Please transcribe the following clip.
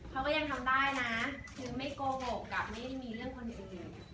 เขาก็ยังทำได้นะคือไม่โกหกกับไม่ได้มีเรื่องคนอื่น